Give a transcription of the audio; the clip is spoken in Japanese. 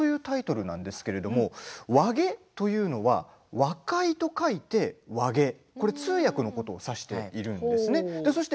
タイトルなんですけれどわげというのは和解と書いて、わげ通訳のことを指しているんですね。